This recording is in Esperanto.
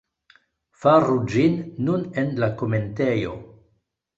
Faru ĝin nun en la komentejo